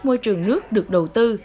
môi trường nước được đầu tư